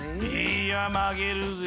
いや曲げるぜぇ。